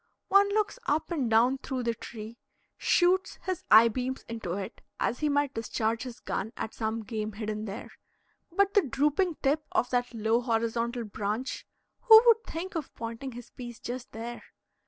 One looks up and down through the tree, shoots his eye beams into it as he might discharge his gun at some game hidden there, but the drooping tip of that low horizontal branch who would think of pointing his piece just there?